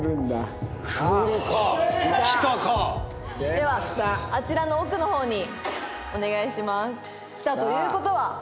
ではあちらの奥の方にお願いします。来たという事は。